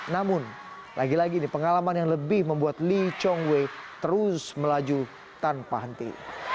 namun lagi lagi ini pengalaman yang lebih membuat lee chong wei terus melaju tanpa henti